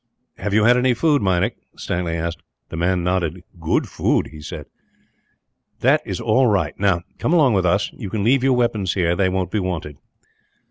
"Have you had any food, Meinik?" Stanley asked. The man nodded. "Good food," he said. "That is all right. Now, come along with us. You can leave your weapons here they won't be wanted."